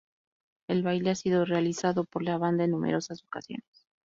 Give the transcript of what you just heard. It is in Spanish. El baile ha sido realizado por la banda en numerosas ocasiones.